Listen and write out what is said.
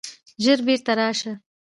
ژر بیرته راسه!